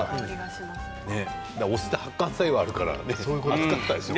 お酢って発汗作用があるから暑かったでしょう。